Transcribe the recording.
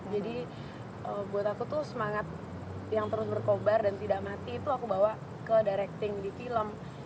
jadi buat aku tuh semangat yang terus berkobar dan tidak mati itu aku bawa ke directing di film